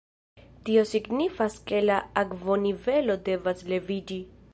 Tio signifas ke la akvonivelo devas leviĝi.